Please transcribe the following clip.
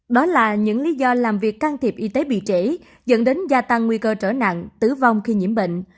đó là những lý do làm việc can thiệp y tế bị trễ dẫn đến gia tăng nguy cơ trở nặng tử vong khi nhiễm bệnh